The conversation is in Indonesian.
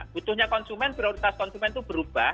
butuhnya konsumen prioritas konsumen itu berubah